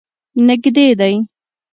نږدې دی.